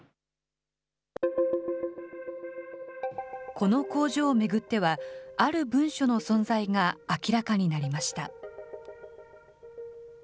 この工場を巡っては、ある文書の存在が明らかになりました。